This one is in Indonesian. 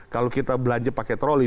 kalau kita belanja pakai troli